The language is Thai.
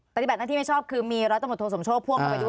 ปฏิบัติหน้าที่ไม่ชอบคือมีรัฐธรรมโทสมโชคพ่วงมาด้วย